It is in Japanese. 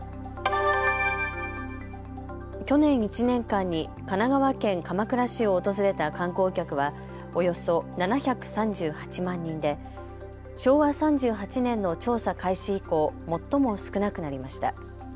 去年１年間に神奈川県鎌倉市を訪れた観光客はおよそ７３８万人で昭和３８年の調査開始以降、最も少なくなりました。